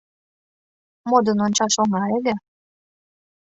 — Модын ончаш оҥай ыле.